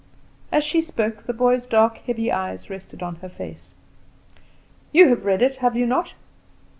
As she spoke the boy's dark, heavy eyes rested on her face. "You have read it, have you not?"